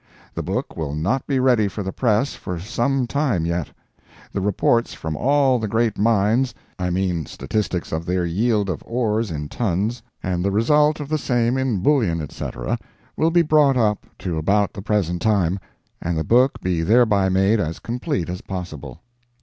The book will not be ready for the press for some time yet. The reports from all the great mines—I mean statistics of their yield of ores in tons, and the result of the same in bullion, etc., will be brought up to about the present time, and the book be thereby made as complete as possible.